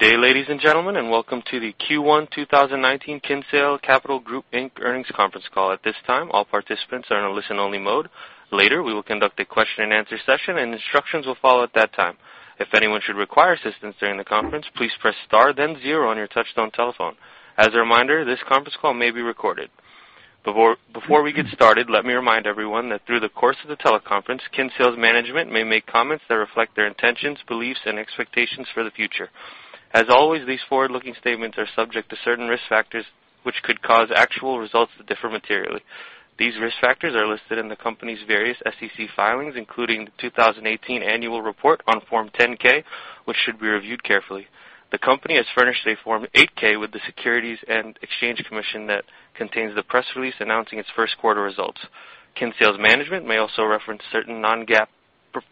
Good day, ladies and gentlemen, and welcome to the Q1 2019 Kinsale Capital Group, Inc. earnings conference call. At this time, all participants are in a listen-only mode. Later, we will conduct a question-and-answer session, and instructions will follow at that time. If anyone should require assistance during the conference, please press star then zero on your touch-tone telephone. As a reminder, this conference call may be recorded. Before we get started, let me remind everyone that through the course of the teleconference, Kinsale's management may make comments that reflect their intentions, beliefs, and expectations for the future. As always, these forward-looking statements are subject to certain risk factors which could cause actual results to differ materially. These risk factors are listed in the company's various SEC filings, including the 2018 annual report on Form 10-K, which should be reviewed carefully. The company has furnished a Form 8-K with the Securities and Exchange Commission that contains the press release announcing its first quarter results. Kinsale's management may also reference certain non-GAAP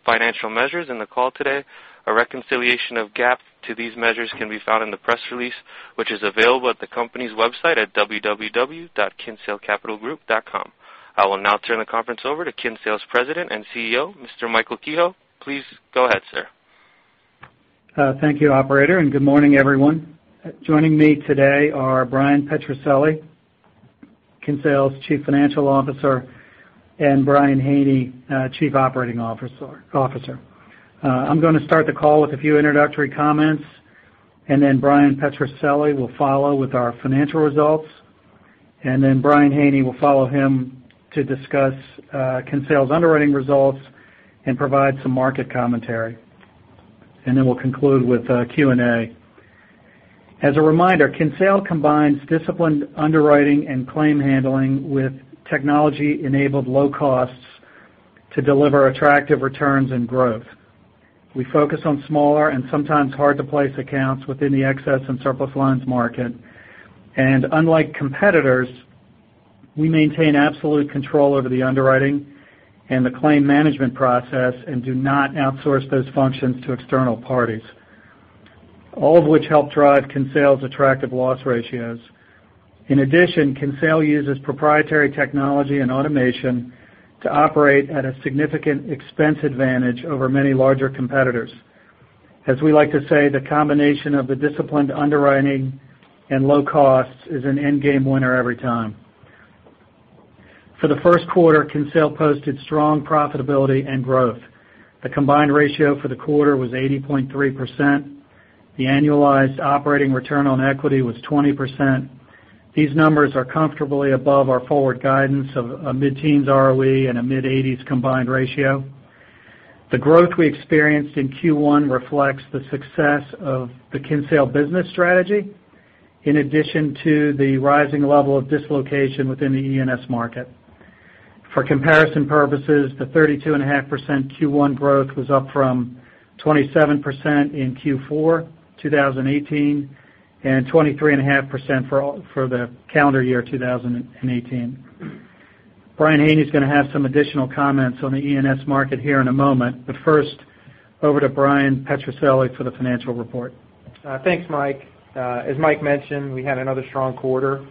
financial measures in the call today. A reconciliation of GAAP to these measures can be found in the press release, which is available at the company's website at www.kinsalecapitalgroup.com. I will now turn the conference over to Kinsale's President and CEO, Mr. Michael Kehoe. Please go ahead, sir. Thank you, operator. Good morning, everyone. Joining me today are Bryan Petrucelli, Kinsale's Chief Financial Officer, and Brian Haney, Chief Operating Officer. I'm going to start the call with a few introductory comments. Bryan Petrucelli will follow with our financial results. Brian Haney will follow him to discuss Kinsale's underwriting results and provide some market commentary. We'll conclude with Q&A. As a reminder, Kinsale combines disciplined underwriting and claim handling with technology-enabled low costs to deliver attractive returns and growth. We focus on smaller and sometimes hard-to-place accounts within the excess and surplus lines market. Unlike competitors, we maintain absolute control over the underwriting and the claim management process and do not outsource those functions to external parties. All of which help drive Kinsale's attractive loss ratios. In addition, Kinsale uses proprietary technology and automation to operate at a significant expense advantage over many larger competitors. As we like to say, the combination of the disciplined underwriting and low costs is an end-game winner every time. For the first quarter, Kinsale posted strong profitability and growth. The combined ratio for the quarter was 80.3%. The annualized operating return on equity was 20%. These numbers are comfortably above our forward guidance of a mid-teens ROE and a mid-80s combined ratio. The growth we experienced in Q1 reflects the success of the Kinsale business strategy, in addition to the rising level of dislocation within the E&S market. For comparison purposes, the 32.5% Q1 growth was up from 27% in Q4 2018 and 23.5% for the calendar year 2018. Brian Haney's going to have some additional comments on the E&S market here in a moment. first, over to Bryan Petrucelli for the financial report. Thanks, Mike. As Mike mentioned, we had another strong quarter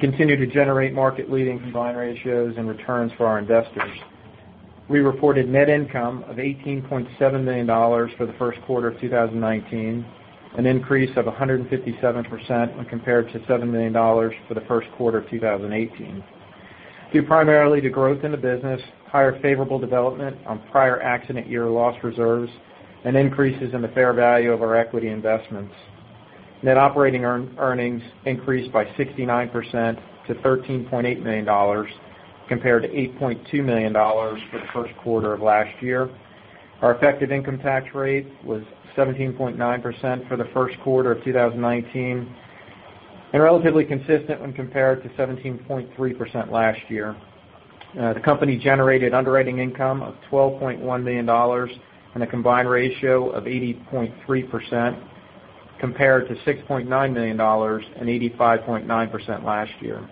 continued to generate market-leading combined ratios and returns for our investors. We reported net income of $18.7 million for the first quarter of 2019, an increase of 157% when compared to $7 million for the first quarter of 2018, due primarily to growth in the business, higher favorable development on prior accident year loss reserves, and increases in the fair value of our equity investments. Net operating earnings increased by 69% to $13.8 million, compared to $8.2 million for the first quarter of last year. Our effective income tax rate was 17.9% for the first quarter of 2019, relatively consistent when compared to 17.3% last year. The company generated underwriting income of $12.1 million on a combined ratio of 80.3%, compared to $6.9 million and 85.9% last year.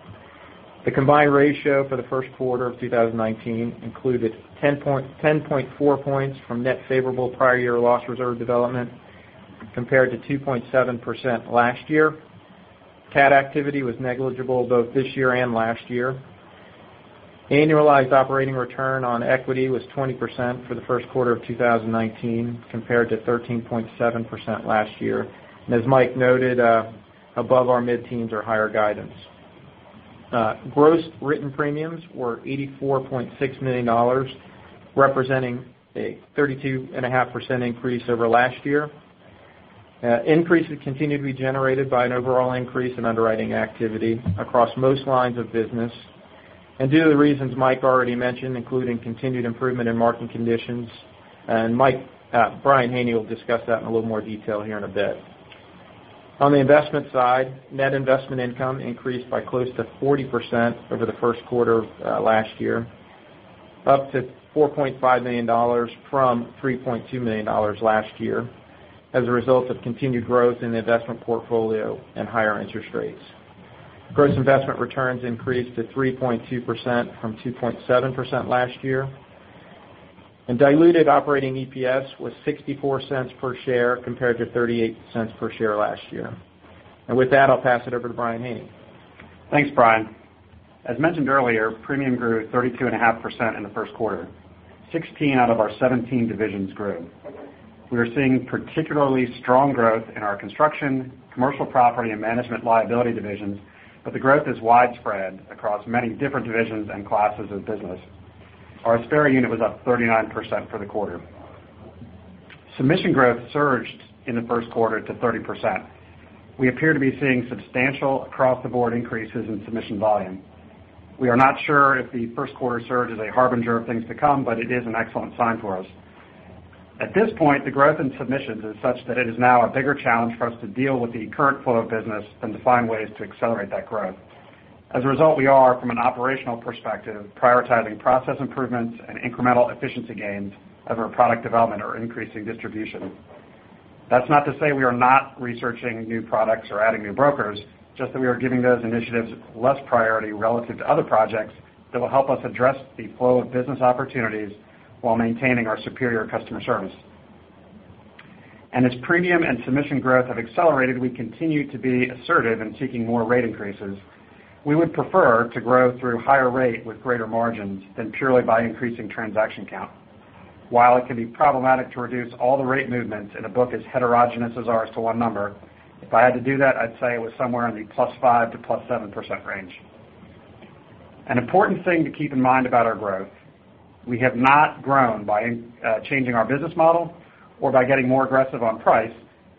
The combined ratio for the first quarter of 2019 included 10.4 points from net favorable prior year loss reserve development compared to 2.7% last year. CAT activity was negligible both this year and last year. Annualized operating return on equity was 20% for the first quarter of 2019 compared to 13.7% last year. As Mike noted, above our mid-teens or higher guidance. Gross written premiums were $84.6 million, representing a 32.5% increase over last year. Increases continued to be generated by an overall increase in underwriting activity across most lines of business, due to the reasons Mike already mentioned, including continued improvement in market conditions. Brian Haney will discuss that in a little more detail here in a bit. On the investment side, net investment income increased by close to 40% over the first quarter of last year, up to $4.5 million from $3.2 million last year, as a result of continued growth in the investment portfolio and higher interest rates. Gross investment returns increased to 3.2% from 2.7% last year. Diluted operating EPS was $0.64 per share compared to $0.38 per share last year. With that, I'll pass it over to Brian Haney. Thanks, Brian. As mentioned earlier, premium grew 32.5% in the first quarter. 16 out of our 17 divisions grew. We are seeing particularly strong growth in our Construction, Commercial Property, and Management Liability divisions, but the growth is widespread across many different divisions and classes of business. Our Aspera unit was up 39% for the quarter. Submission growth surged in the first quarter to 30%. We appear to be seeing substantial across-the-board increases in submission volume. We are not sure if the first quarter surge is a harbinger of things to come, but it is an excellent sign for us. At this point, the growth in submissions is such that it is now a bigger challenge for us to deal with the current flow of business than to find ways to accelerate that growth. As a result, we are, from an operational perspective, prioritizing process improvements and incremental efficiency gains over product development or increasing distribution. That's not to say we are not researching new products or adding new brokers, just that we are giving those initiatives less priority relative to other projects that will help us address the flow of business opportunities while maintaining our superior customer service. As premium and submission growth have accelerated, we continue to be assertive in seeking more rate increases. We would prefer to grow through higher rate with greater margins than purely by increasing transaction count. While it can be problematic to reduce all the rate movements in a book as heterogeneous as ours to one number, if I had to do that, I'd say it was somewhere in the +5% to +7% range. An important thing to keep in mind about our growth, we have not grown by changing our business model or by getting more aggressive on price,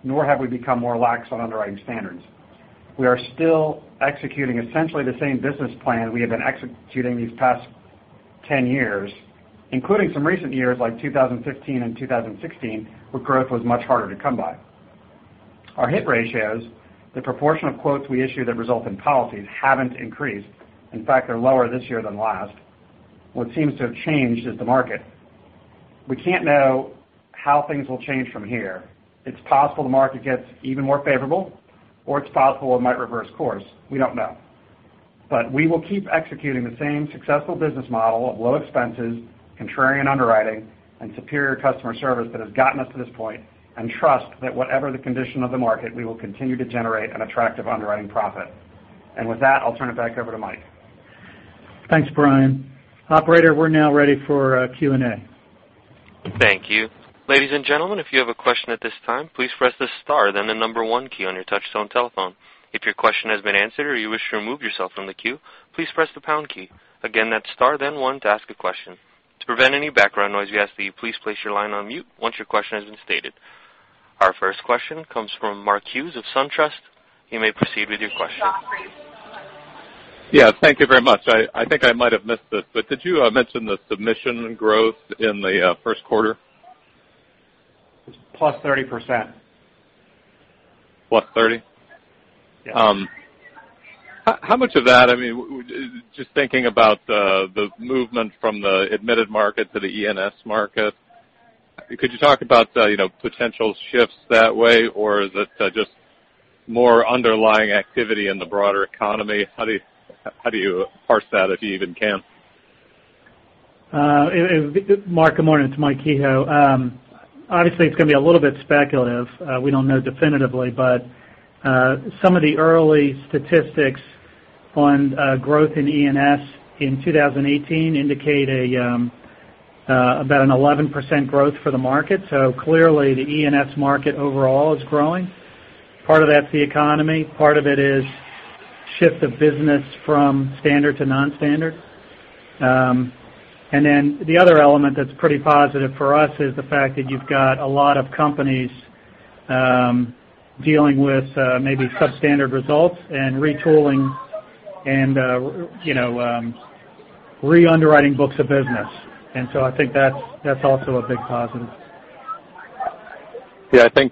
nor have we become more lax on underwriting standards. We are still executing essentially the same business plan we have been executing these past 10 years, including some recent years, like 2015 and 2016, where growth was much harder to come by. Our hit ratios, the proportion of quotes we issue that result in policies, haven't increased. In fact, they're lower this year than last. What seems to have changed is the market. We can't know how things will change from here. It's possible the market gets even more favorable, or it's possible it might reverse course. We don't know. We will keep executing the same successful business model of low expenses, contrarian underwriting, and superior customer service that has gotten us to this point, and trust that whatever the condition of the market, we will continue to generate an attractive underwriting profit. With that, I'll turn it back over to Mike. Thanks, Brian. Operator, we're now ready for Q&A. Thank you. Ladies and gentlemen, if you have a question at this time, please press the star then the number one key on your touch-tone telephone. If your question has been answered or you wish to remove yourself from the queue, please press the pound key. Again, that's star then one to ask a question. To prevent any background noise, we ask that you please place your line on mute once your question has been stated. Our first question comes from Mark Hughes of SunTrust. You may proceed with your question. Yeah. Thank you very much. I think I might have missed it, did you mention the submission growth in the first quarter? It's +30%. Plus 30%? Yeah. How much of that, just thinking about the movement from the admitted market to the E&S market, could you talk about potential shifts that way, or is it just more underlying activity in the broader economy? How do you parse that, if you even can? Mark, good morning. It's Mike Kehoe. Obviously, it's going to be a little bit speculative. We don't know definitively, but some of the early statistics on growth in E&S in 2018 indicate about an 11% growth for the market. Clearly, the E&S market overall is growing. Part of that's the economy, part of it is shift of business from standard to non-standard. Then the other element that's pretty positive for us is the fact that you've got a lot of companies dealing with maybe substandard results and retooling and re-underwriting books of business. So I think that's also a big positive. Yeah, I think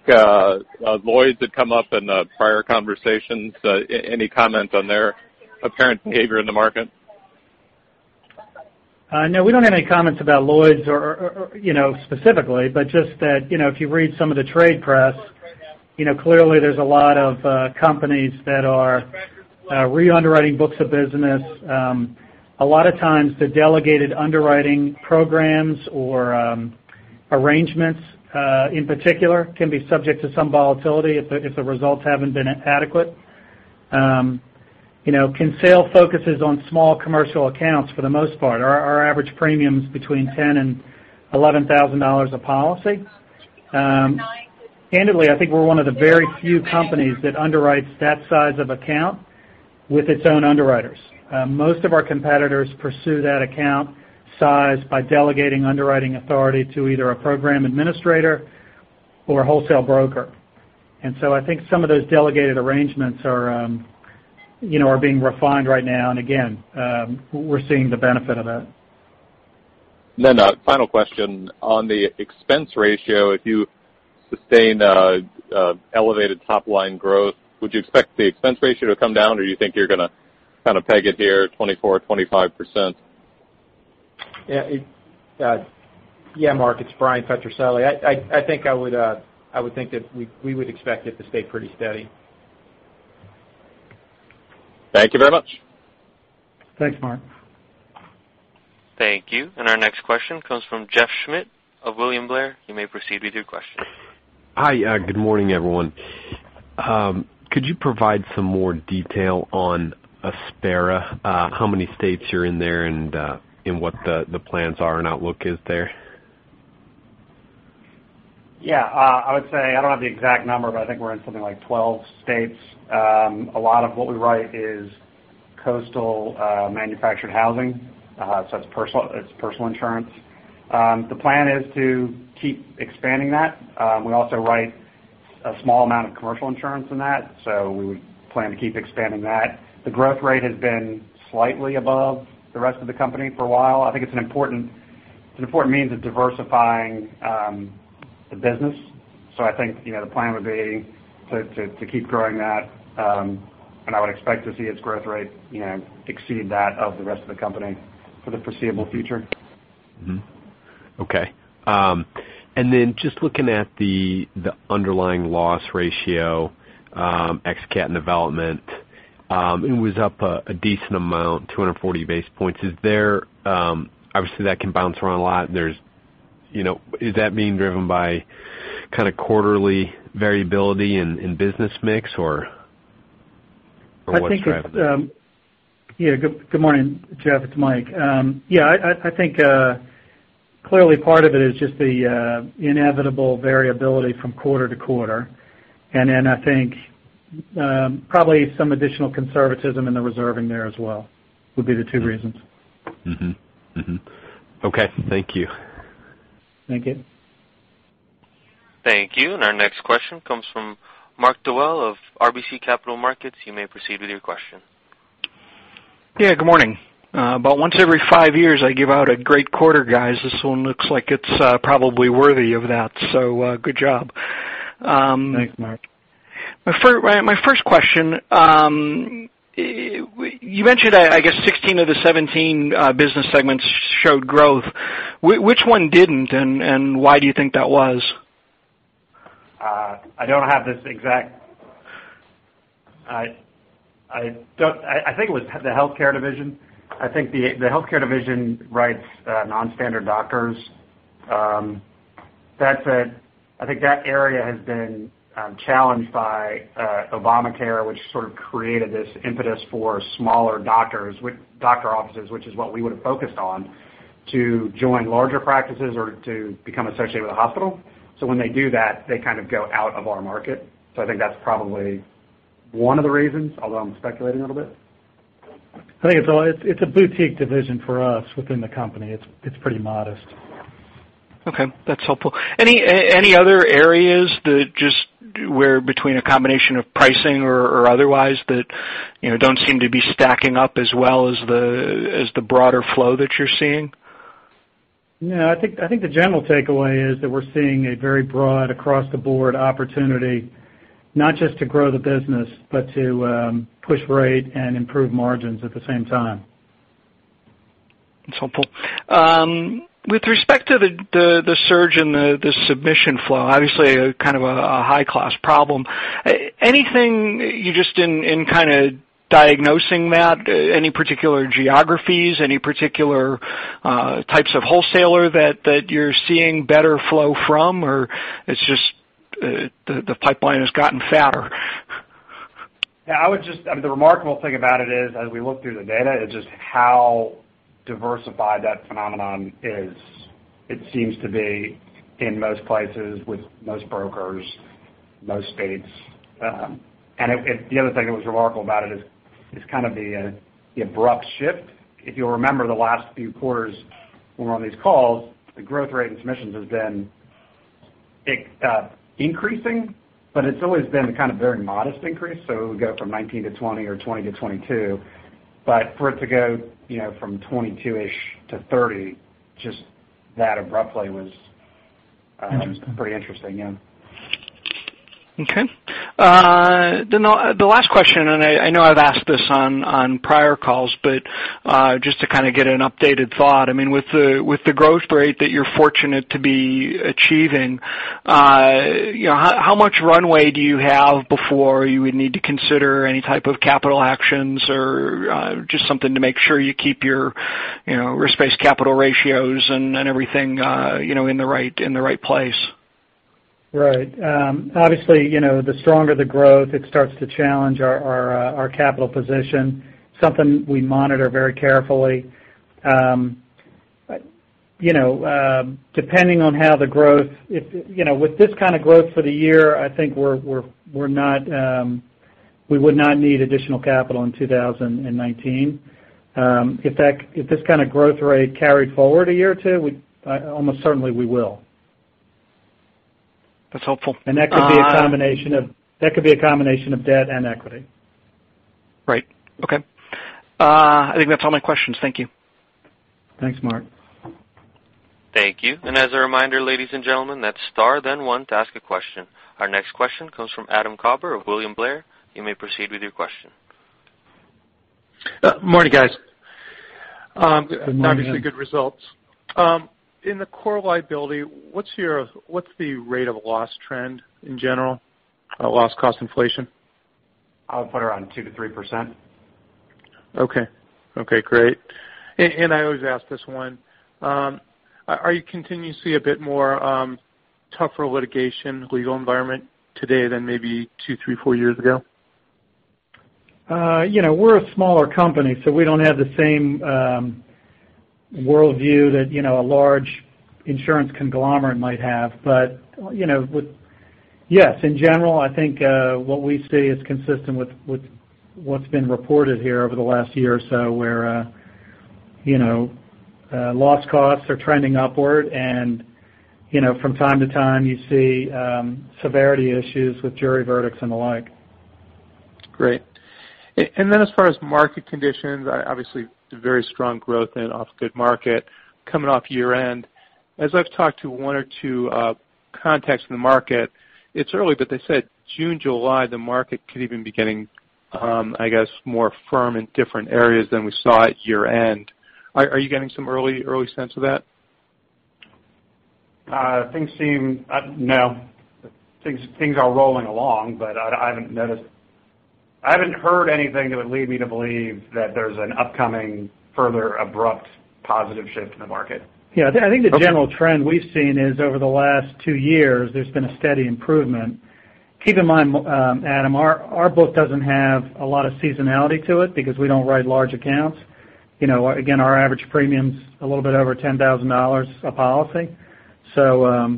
Lloyd's had come up in the prior conversations. Any comment on their apparent behavior in the market? We don't have any comments about Lloyd's specifically, but just that if you read some of the trade press, clearly there's a lot of companies that are re-underwriting books of business. A lot of times the delegated underwriting programs or arrangements in particular can be subject to some volatility if the results haven't been adequate. Kinsale focuses on small commercial accounts for the most part. Our average premium is between $10,000 and $11,000 a policy. Candidly, I think we're one of the very few companies that underwrites that size of account with its own underwriters. Most of our competitors pursue that account size by delegating underwriting authority to either a program administrator or a wholesale broker. I think some of those delegated arrangements are being refined right now, and again, we're seeing the benefit of that. A final question. On the expense ratio, if you sustain elevated top-line growth, would you expect the expense ratio to come down, or you think you're going to kind of peg it here at 24%-25%? Mark, it's Bryan Petrucelli. I would think that we would expect it to stay pretty steady. Thank you very much. Thanks, Mark. Thank you. Our next question comes from Jeff Schmitt of William Blair. You may proceed with your question. Hi. Good morning, everyone. Could you provide some more detail on Aspera, how many states you're in there, and what the plans are and outlook is there? Yeah. I would say, I don't have the exact number, but I think we're in something like 12 states. A lot of what we write is coastal manufactured housing, so it's personal insurance. The plan is to keep expanding that. We also write a small amount of commercial insurance in that, so we plan to keep expanding that. The growth rate has been slightly above the rest of the company for a while. I think it's an important means of diversifying the business. I think, the plan would be to keep growing that, and I would expect to see its growth rate exceed that of the rest of the company for the foreseeable future. Okay. Just looking at the underlying loss ratio, ex-CAT development, it was up a decent amount, 240 basis points. Obviously, that can bounce around a lot. Is that being driven by kind of quarterly variability in business mix, or what's driving it? Good morning, Jeff, it's Mike. I think, clearly part of it is just the inevitable variability from quarter to quarter, and then I think, probably some additional conservatism in the reserving there as well, would be the two reasons. Okay, thank you. Thank you. Thank you. Our next question comes from Mark Dwelle of RBC Capital Markets. You may proceed with your question. Yeah, good morning. About once every five years, I give out a great quarter, guys. This one looks like it's probably worthy of that, good job. Thanks, Mark. My first question. You mentioned, I guess 16 of the 17 business segments showed growth. Which one didn't, why do you think that was? I think it was the Health Care Division. I think the Health Care Division writes non-standard doctors. I think that area has been challenged by Obamacare, which sort of created this impetus for smaller doctor offices, which is what we would've focused on, to join larger practices or to become associated with a hospital. When they do that, they kind of go out of our market. I think that's probably one of the reasons, although I'm speculating a little bit. I think it's a boutique division for us within the company. It's pretty modest. Okay, that's helpful. Any other areas that, where between a combination of pricing or otherwise that don't seem to be stacking up as well as the broader flow that you're seeing? No. I think the general takeaway is that we're seeing a very broad, across-the-board opportunity, not just to grow the business, but to push rate and improve margins at the same time. That's helpful. With respect to the surge in the submission flow, obviously, a kind of a high-class problem. Anything you just in kind of diagnosing that, any particular geographies, any particular types of wholesaler that you're seeing better flow from, or it's just the pipeline has gotten fatter? Yeah. The remarkable thing about it is, as we look through the data, is just how diversified that phenomenon is. It seems to be in most places, with most brokers, most states. The other thing that was remarkable about it is kind of the abrupt shift. If you'll remember the last few quarters we were on these calls, the growth rate in submissions has been increasing, but it's always been a kind of very modest increase. It would go from 19 to 20 or 20 to 22. For it to go from 22-ish to 30 just that abruptly was- Interesting pretty interesting, yeah. Okay. The last question, and I know I've asked this on prior calls, but just to kind of get an updated thought. With the growth rate that you're fortunate to be achieving, how much runway do you have before you would need to consider any type of capital actions or just something to make sure you keep your risk-based capital ratios and everything in the right place? Right. Obviously, the stronger the growth, it starts to challenge our capital position, something we monitor very carefully. Depending on how the growth, with this kind of growth for the year, I think we would not need additional capital in 2019. If this kind of growth rate carried forward a year or two, almost certainly we will. That's helpful. That could be a combination of debt and equity. Right. Okay. I think that's all my questions. Thank you. Thanks, Mark. Thank you. As a reminder, ladies and gentlemen, that's star then one to ask a question. Our next question comes from Adam Klauber of William Blair. You may proceed with your question. Morning, guys. Good morning. Obviously good results. In the core liability, what's the rate of loss trend in general? Loss cost inflation? I'll put it around 2% to 3%. Okay. Great. I always ask this one. Are you continuing to see a bit more tougher litigation legal environment today than maybe two, three, four years ago? We're a smaller company, so we don't have the same worldview that a large insurance conglomerate might have. Yes, in general, I think what we see is consistent with what's been reported here over the last year or so, where loss costs are trending upward and from time to time you see severity issues with jury verdicts and the like. Great. As far as market conditions, obviously very strong growth in off good market coming off year-end. As I've talked to one or two contacts in the market, it's early, but they said June, July, the market could even be getting more firm in different areas than we saw at year-end. Are you getting some early sense of that? No. Things are rolling along, I haven't heard anything that would lead me to believe that there's an upcoming further abrupt positive shift in the market. Yeah. I think the general trend we've seen is over the last two years, there's been a steady improvement. Keep in mind, Adam, our book doesn't have a lot of seasonality to it because we don't write large accounts. Again, our average premium's a little bit over $10,000 a policy. I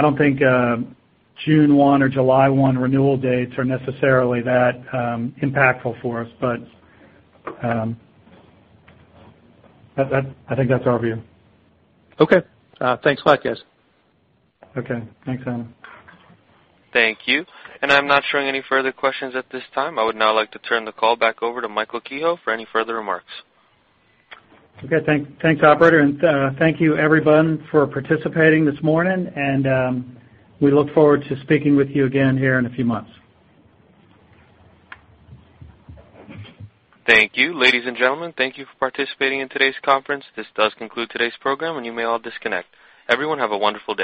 don't think June 1 or July 1 renewal dates are necessarily that impactful for us. I think that's our view. Okay. Thanks a lot, guys. Okay. Thanks, Adam. Thank you. I'm not showing any further questions at this time. I would now like to turn the call back over to Michael Kehoe for any further remarks. Okay. Thanks, operator. Thank you everyone for participating this morning, and we look forward to speaking with you again here in a few months. Thank you. Ladies and gentlemen, thank you for participating in today's conference. This does conclude today's program, and you may all disconnect. Everyone, have a wonderful day.